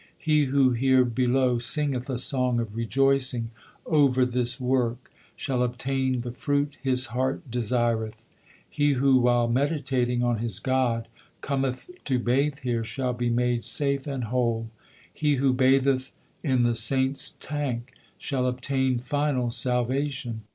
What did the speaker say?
He who here below singeth a song of rejoicing over this work, Shall obtain the fruit his heart desire th. 3 He who while meditating on his God Cometh to bathe here shall be made safe and whole. He who batheth in the saints tank Shall obtain final salvation.